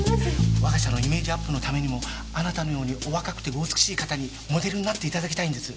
我が社のイメージアップのためにもあなたのようにお若くてお美しい方にモデルになっていただきたいんです。